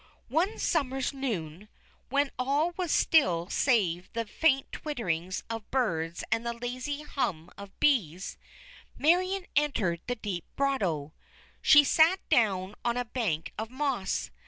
One Summer's noon, when all was still save the faint twitterings of birds and the lazy hum of bees, Marion entered the deep grotto. She sat down on a bank of moss.